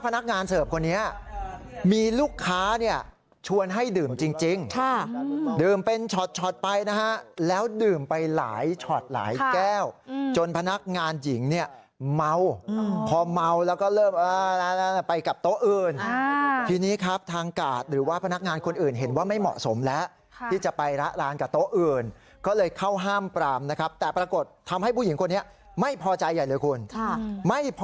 พนักงานเสิร์ฟคนนี้มีลูกค้าเนี่ยชวนให้ดื่มจริงดื่มเป็นช็อตไปนะฮะแล้วดื่มไปหลายช็อตหลายแก้วจนพนักงานหญิงเนี่ยเมาพอเมาแล้วก็เริ่มไปกับโต๊ะอื่นทีนี้ครับทางกาดหรือว่าพนักงานคนอื่นเห็นว่าไม่เหมาะสมแล้วที่จะไปละลานกับโต๊ะอื่นก็เลยเข้าห้ามปรามนะครับแต่ปรากฏทำให้ผู้หญิงคนนี้ไม่พอใจใหญ่เลยคุณไม่พอ